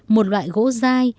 một loại gỗ dai